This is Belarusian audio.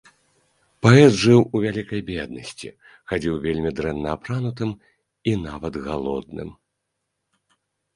Паэт жыў у вялікай беднасці, хадзіў вельмі дрэнна апранутым і нават галодным.